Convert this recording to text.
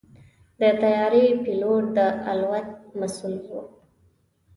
د طیارې پيلوټ د الوت مسؤل وي.